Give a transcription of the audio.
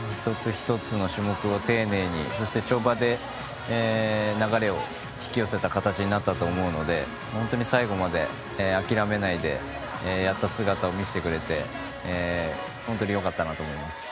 １つ１つの種目を丁寧にそして跳馬で流れを引き寄せた形になったと思うので本当に最後まで諦めないでやった姿を見せてくれて本当によかったなと思います。